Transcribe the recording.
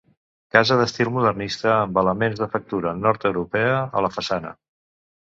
Casa d'estil modernista amb elements de factura nord-europea a la façana.